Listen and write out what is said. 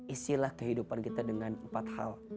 isilah kehidupan kita dengan empat hal